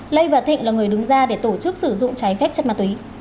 lê và thịnh là người đứng ra để tổ chức sử dụng trái phép chất ma túy